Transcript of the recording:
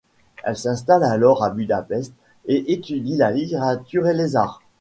Elle s'installe alors à Budapest et étudie la littérature et les arts.